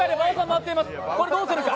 これどうするか？